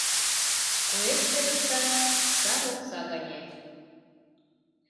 Куэште лышташ — сар окса гане.